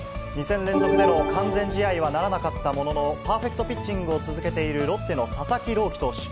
２戦連続での完全試合はならなかったものの、パーフェクトピッチングを続けている、ロッテの佐々木朗希投手。